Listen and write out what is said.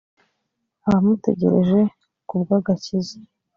abamutegereje ku bw agakiza